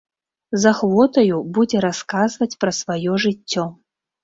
З ахвотаю будзе расказваць пра сваё жыццё.